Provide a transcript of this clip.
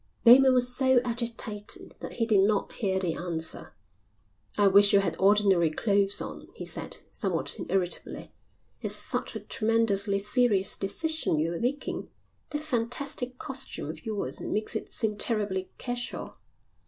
Bateman was so agitated that he did not hear the answer. "I wish you had ordinary clothes on," he said, somewhat irritably. "It's such a tremendously serious decision you're taking. That fantastic costume of yours makes it seem terribly casual."